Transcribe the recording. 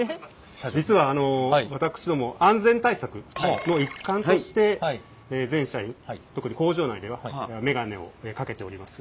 実は私ども安全対策の一環として全社員特に工場内ではメガネをかけております。